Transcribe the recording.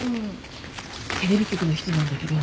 テレビ局の人なんだけど。